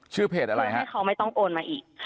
ชื่อเพจอะไรครับเพื่อให้เขาไม่ต้องโอนมาอีก